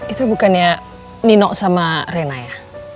itu bukannya nino sama rena ya